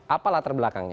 apa latar belakangnya